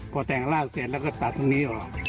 พอแต่งร่างเสร็จแล้วก็ตัดตรงนี้ออก